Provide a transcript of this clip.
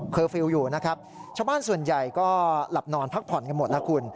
ก็หลับนอนพักผ่อนกันหมดแล้วคุณ